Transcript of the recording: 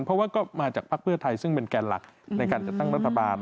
เพราะว่าก็มาจากภักดิ์เพื่อไทยซึ่งเป็นแกนหลักในการจัดตั้งรัฐบาล